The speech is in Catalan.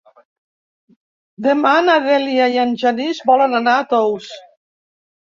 Demà na Dèlia i en Genís volen anar a Tous.